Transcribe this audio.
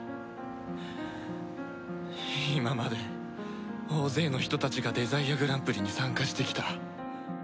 今まで大勢の人たちがデザイアグランプリに参加してきた。